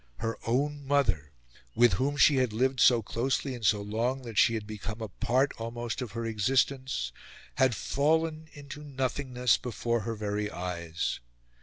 Her own mother, with whom she had lived so closely and so long that she had become a part almost of her existence, had fallen into nothingness before her very eyes!